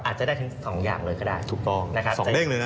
อาจจะได้ทั้งสองอย่างเลยก็ได้ถูกต้องนะครับสองเรื่องเลยนะ